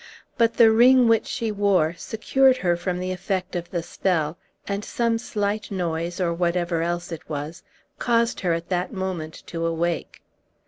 But the ring which she wore secured her from the effect of the spell, and some slight noise, or whatever else it was, caused her at that moment to awake.